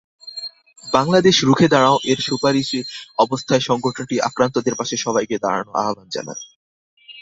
বাংলাদেশ রুখে দাঁড়াও-এর সুপারিশএ অবস্থায় সংগঠনটি আক্রান্তদের পাশে সবাইকে দাঁড়ানো আহ্বান জানায়।